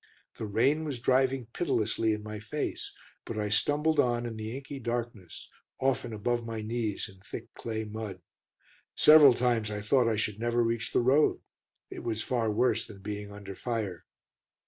The rain was driving pitilessly in my face, but I stumbled on in the inky darkness, often above my knees in thick clay mud. Several times I thought I should never reach the road. It was far worse than being under fire.